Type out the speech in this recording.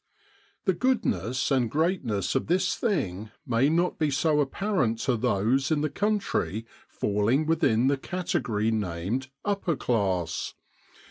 The goodness and greatness of this thing may not be so apparent to those in the country falling within the category named "Upper class."